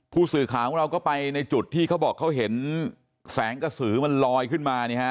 ผู้สื่อข่าวของเราก็ไปในจุดที่เขาบอกเขาเห็นแสงกระสือมันลอยขึ้นมาเนี่ยฮะ